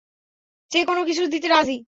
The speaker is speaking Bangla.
যেকোনো কিছু দিতে রাজি!